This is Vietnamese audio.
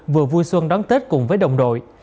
vừa vui xuân đón tết cùng với đồng đội